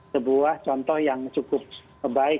sebuah contoh yang cukup baik